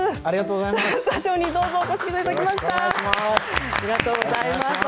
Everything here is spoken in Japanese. スタジオにお越しいただきました。